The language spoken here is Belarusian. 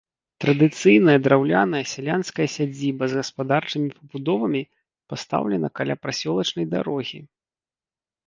Традыцыйная драўляная сялянская сядзіба з гаспадарчымі пабудовамі пастаўлена каля прасёлачнай дарогі.